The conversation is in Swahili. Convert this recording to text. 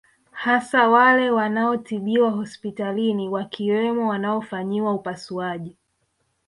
Hasa wale wanaotibiwa hospitalini wakiwemo wanaofanyiwa upasuaji